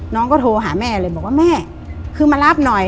น้องก็โทรหาแม่เลยบอกว่าแม่คือมารับหน่อย